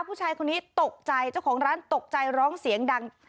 ผู้ชายคนนี้ตกใจเจ้าของร้านตกใจร้องเสียงดัง